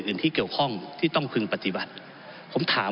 แต่ท่านเอาตรงนี้มาเพื่อจะล้มประมูลผมไม่เห็นด้วยครับ